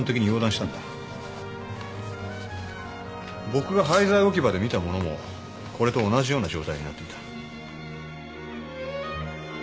僕が廃材置き場で見たものもこれと同じような状態になっていた。